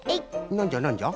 なんじゃなんじゃ？